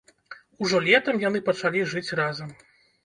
Ужо летам яны пачалі жыць разам.